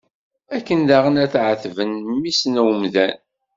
Akken daɣen ara ɛetben mmi-s n umdan.